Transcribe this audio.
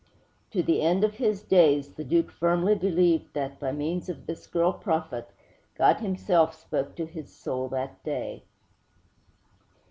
To the end of his days the Duke firmly believed that, by means of this girl prophet, God Himself spoke to his soul that day.